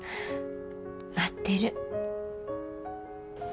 待ってる。